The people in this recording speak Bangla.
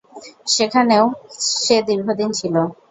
সেখানেও সে দীর্ঘদিন ছিল।